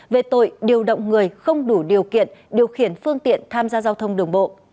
về tội điều động người không đủ điều kiện điều khiển phương tiện tham gia giao thông đường bộ